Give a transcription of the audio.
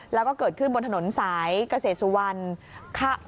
แล้วก็เกิดขึ้นบนถนนสายเกษตรสุวรรณ